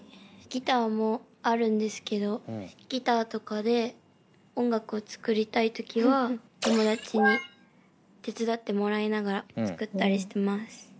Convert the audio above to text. ギターもあるんですけどギターとかで音楽を作りたい時は友達に手伝ってもらいながら作ったりしてます。